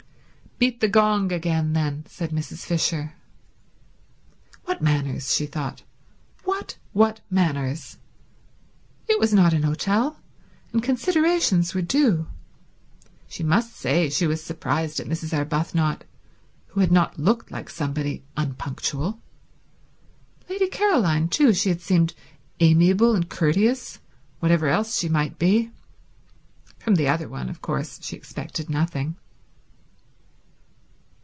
"Beat the gong again then," said Mrs. Fisher. What manners, she thought; what, what manners. It was not an hotel, and considerations were due. She must say she was surprised at Mrs. Arbuthnot, who had not looked like somebody unpunctual. Lady Caroline, too—she had seemed amiable and courteous, whatever else she might be. From the other one, of course, she expected nothing.